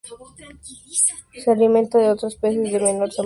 Se alimenta de otros peces de menor tamaño, crustáceos y moluscos.